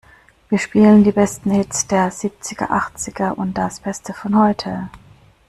Wir spielen die besten Hits der Siebziger, Achtziger und das Beste von heute!